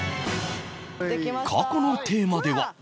過去のテーマでは